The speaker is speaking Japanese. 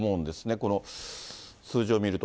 この数字を見ると。